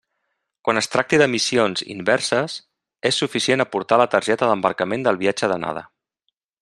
Quan es tracti de missions inverses, és suficient aportar la targeta d'embarcament del viatge d'anada.